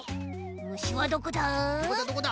むしはどこだ？